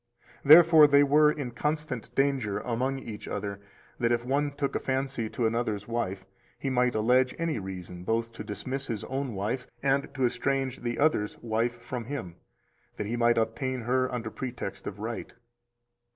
Therefore they were in constant danger among each other that if one took a fancy to another's wife, he might allege any reason both to dismiss his own wife and to estrange the other's wife from him, that he might obtain her under pretext of right.